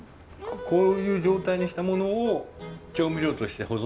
こういう状態にしたものを調味料として保存できますよね？